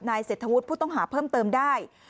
เศรษฐวุฒิผู้ต้องหาเพิ่มเติมได้